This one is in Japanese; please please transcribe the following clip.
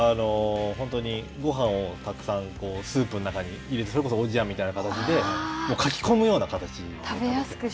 本当にごはんをたくさんスープの中に入れて、それこそおじやみたいな形で、もうかき込むような形で。